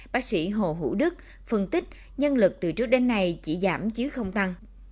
bác sĩ hồ hữu đức phân tích nhân lực từ trước đến nay chỉ giảm chứ không tăng